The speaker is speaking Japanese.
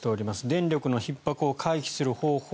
電力のひっ迫を回避する方法